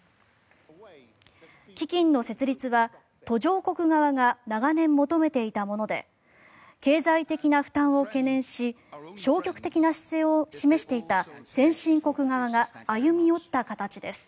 基金の設立は途上国側が長年、求めていたもので経済的な負担を懸念し消極的な姿勢を示していた先進国側が歩み寄った形です。